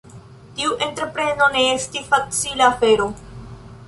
Tiu entrepreno ne estis facila afero.